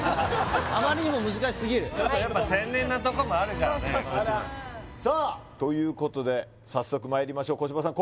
あまりにも難しすぎるちょっとやっぱ天然なとこもあるからねさあということで早速まいりましょう小芝さん